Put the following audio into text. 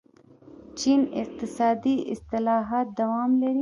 چین اقتصادي اصلاحات دوام لري.